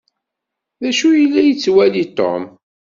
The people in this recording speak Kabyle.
D acu yella yettwali Tom?